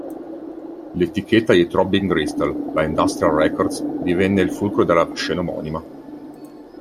L'etichetta dei Throbbing Gristle, la Industrial Records, divenne il fulcro della scena omonima.